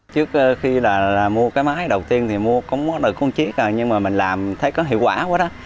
trước khi mua máy đầu tiên thì mua có một đời con chiếc nhưng mà mình làm thấy có hiệu quả quá đó